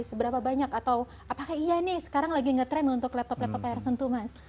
seberapa banyak atau apakah iya nih sekarang lagi ngetrend untuk laptop laptop layar sentuh mas